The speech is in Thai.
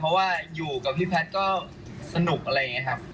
เพราะว่าอยู่กับพี่แพทย์ก็สนุกอะไรอย่างนี้ครับ